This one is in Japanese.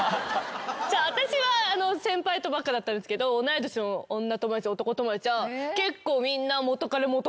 私は先輩とばっかだったんですけど同い年の女友達と男友達は結構みんな。